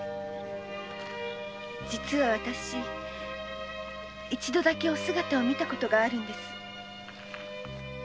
実はわたし一度だけお姿を見たことがあるんです。